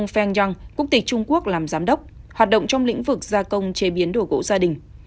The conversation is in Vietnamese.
feng yong quốc tịch trung quốc làm giám đốc hoạt động trong lĩnh vực gia công chế biến đồ gỗ gia đình